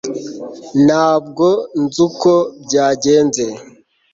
ntabwo nzi uko byagenze